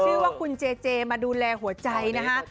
ชื่อว่าคุณเจเจมาดูแลหัวใจนะคะ